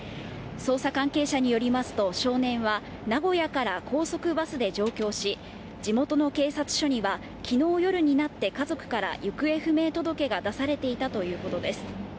捜査関係者によりますと、少年は名古屋から高速バスで上京し、地元の警察署には、きのう夜になって家族から行方不明届が出されていたということです。